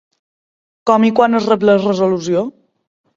Com i quan es rep la resolució?